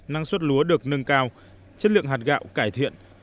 năng suất lúa được nâng cao chất lượng hạt gạo cải thiện